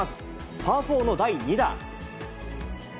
パー４の第２打。